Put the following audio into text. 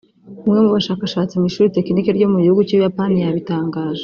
umwe mu bashakashatsi mu ishuri tekinike ryo mu gihugu cy’u Buyapani yabitangaje